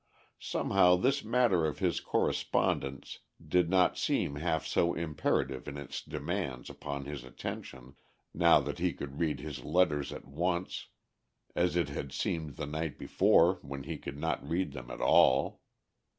Somehow this matter of his correspondence did not seem half so imperative in its demands upon his attention now that he could read his letters at once as it had seemed the night before when he could not read them at all.